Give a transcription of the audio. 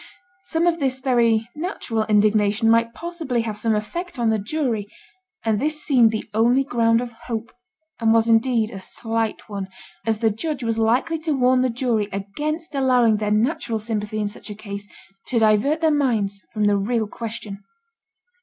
Some of this very natural indignation might possibly have some effect on the jury; and this seemed the only ground of hope, and was indeed a slight one, as the judge was likely to warn the jury against allowing their natural sympathy in such a case to divert their minds from the real question.